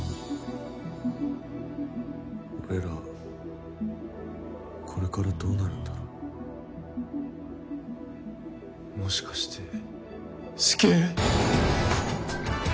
俺らこれからどうなるんだろうもしかして死刑！？